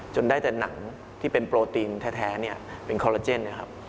ได้แต่หนังที่เป็นโปรตีนแท้เป็นคอลลาเจนนะครับ